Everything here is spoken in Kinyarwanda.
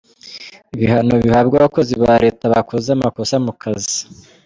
Ibihano bihabwa abakozi ba leta bakoze amakosa mu kazi.